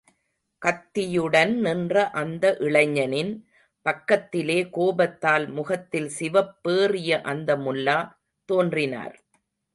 கத்தியுடன் நின்ற அந்த இளைஞனின் பக்கத்திலே கோபத்தால் முகத்தில் சிவப்பேறிய அந்த முல்லா தோன்றினார்.